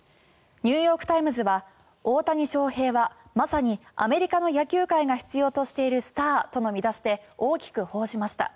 ニューヨーク・タイムズは大谷翔平はまさにアメリカの野球界が必要としているスターとの見出しで大きく報じました。